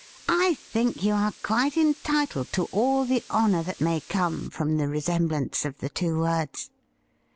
' I think you are quite entitled to all the honoiu that may come from the resemblance of the two words.'